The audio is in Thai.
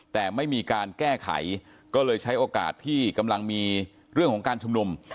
แต่ไม่มีการแก้ไขก็เลยใช้โอกาสที่กำลังมีเรื่องของการชุมนุม